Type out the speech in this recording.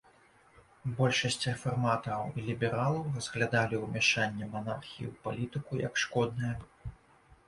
Большасць рэфарматараў і лібералаў разглядалі ўмяшанне манархіі ў палітыку як шкоднае.